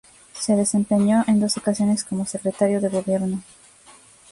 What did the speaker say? Se desempeñó en dos ocasiones como Secretario de Gobierno.